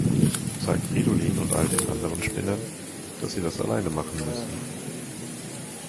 Sag Fridolin und all den anderen Spinnern, dass sie das alleine machen müssen.